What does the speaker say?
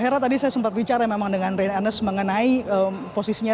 hera tadi saya sempat bicara memang dengan rian ennes mengenai posisinya